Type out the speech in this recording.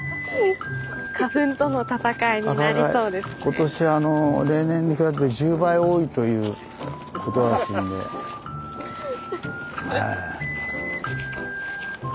今年例年に比べて１０倍多いということらしいんでええ。